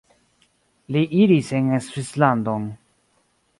Li iris en Svislandon.